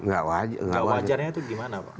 nggak wajarnya itu gimana pak